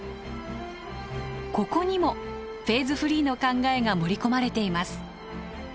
ここにもフェーズフリーの考えが盛り込まれています。